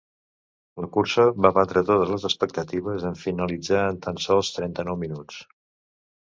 La cursa va batre totes les expectatives en finalitzar en tan sols trenta-nou minuts.